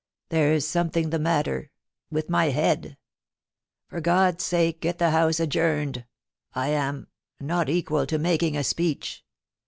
* There's something the matter — with my head For God's sake, get the House adjourned. ... I am — not equal to making a speech.